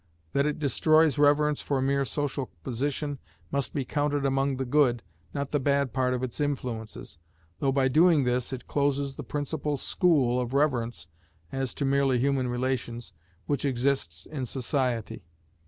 That it destroys reverence for mere social position must be counted among the good, not the bad part of its influences, though by doing this it closes the principal school of reverence (as to merely human relations) which exists in society.